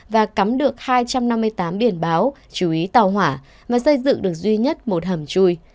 và cắm được hai trăm năm mươi tám biển báo chú ý tàu hỏa và xây dựng được duy nhất một hầm chui